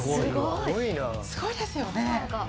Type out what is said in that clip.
すごいですよね。